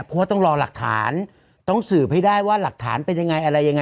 เพราะว่าต้องรอหลักฐานต้องสืบให้ได้ว่าหลักฐานเป็นยังไงอะไรยังไง